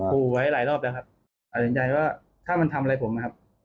ขู่ไว้หลายรอบแล้วครับตัดสินใจว่าถ้ามันทำอะไรผมนะครับ